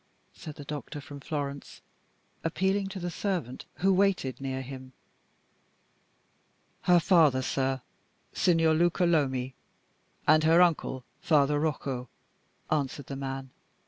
said the doctor from Florence, appealing to the servant who waited near him. "Her father, sir, Signor Luca Lomi; and her uncle, Father Rocco," answered the man.